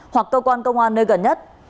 hoặc cơ quan công an nơi gần nhất